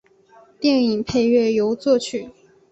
电影配乐由作曲。